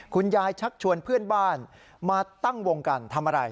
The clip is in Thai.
ชักชวนเพื่อนบ้านมาตั้งวงกันทำอะไร